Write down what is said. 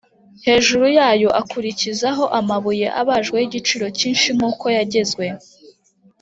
Hejuru yayo akurikizaho amabuye abajwe y’igiciro cyinshi nk’uko yagezwe